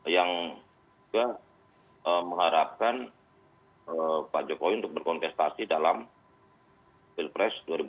yang juga mengharapkan pak jokowi untuk berkontestasi dalam pilpres dua ribu dua puluh